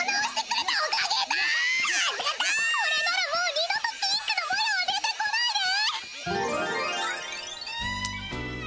これならもう二度とピンクのモヤは出てこないね！